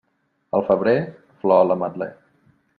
Al febrer, flor a l'ametler.